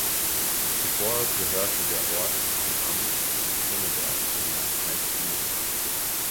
Zuvor gehörte der Ort zum Amt Wünnenberg im Landkreis Büren.